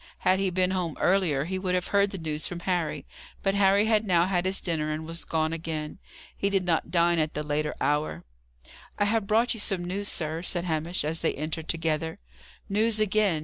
Had he been home earlier, he would have heard the news from Harry. But Harry had now had his dinner and was gone again. He did not dine at the later hour. "I have brought you some news, sir," said Hamish, as they entered together. "News again!